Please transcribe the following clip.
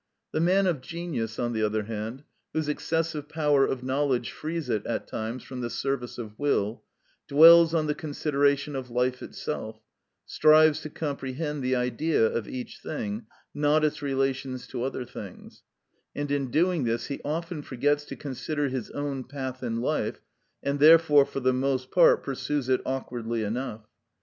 The man of genius, on the other hand, whose excessive power of knowledge frees it at times from the service of will, dwells on the consideration of life itself, strives to comprehend the Idea of each thing, not its relations to other things; and in doing this he often forgets to consider his own path in life, and therefore for the most part pursues it awkwardly enough.